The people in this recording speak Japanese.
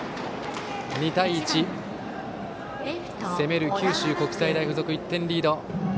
２対１、攻める九州国際大付属１点リード。